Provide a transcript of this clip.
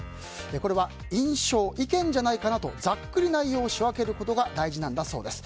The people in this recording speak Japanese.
これは印象・意見じゃないかなとざっくり内容を仕分けることが大事なんだそうです。